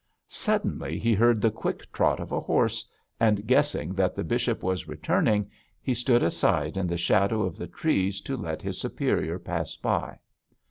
Suddenly he heard the quick trot of a horse, and guessing that the bishop was returning, he stood aside in the shadow of the trees to let his superior pass by.